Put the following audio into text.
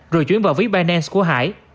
rồi chuyển vào ví binance của hải